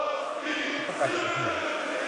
คุณต้องการจะไปที่ไหน